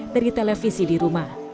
dari televisi di rumah